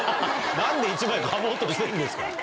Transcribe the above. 何で一枚かもうとしてるんですか。